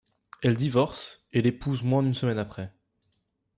Elle divorce, et l'épouse moins d'une semaine après.